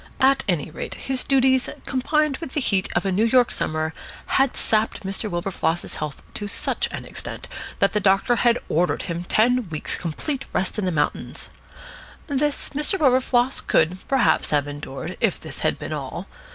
At any rate, his duties, combined with the heat of a New York summer, had sapped Mr. Wilberfloss's health to such an extent that the doctor had ordered him ten weeks' complete rest in the mountains. This Mr. Wilberfloss could, perhaps, have endured, if this had been all.